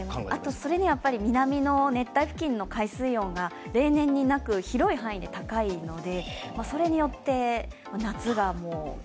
それには南の熱帯付近の海水温が例年になく広い範囲で高いので。